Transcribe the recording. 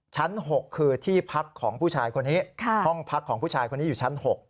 ชั้น๖คือที่พักของผู้ชายคนนี้ห้องพักของผู้ชายคนนี้อยู่ชั้น๖